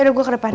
udah ke depan